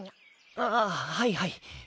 ああはいはい。